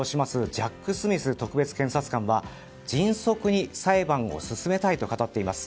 ジャック・スミス特別検察官は迅速に裁判を進めたいと語っています。